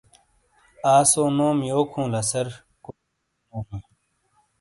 آسو نوم یوک ہوں لہ سر ؟کوئی کمپونیو ہیں؟